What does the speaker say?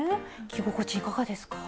着心地いかがですか？